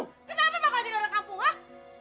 kenapa bakal jadi goreng abu ah